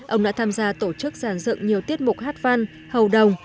ông đã tham gia tổ chức giàn dựng nhiều tiết mục hát văn hầu đồng